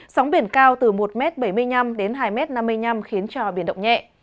sóng biển cao từ một bảy mươi năm m đến hai năm mươi năm m khiến cho biển động nhẹ